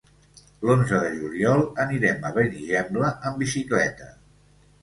L'onze de juliol anirem a Benigembla amb bicicleta.